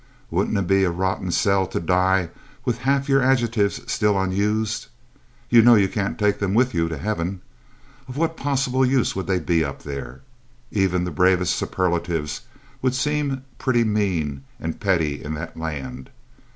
Wouldn't it be a rotten sell to die with half your adjectives still unused? You know you can't take them with you to heaven. Of what possible use would they be up there? Even the bravest superlatives would seem pretty mean and petty in that land.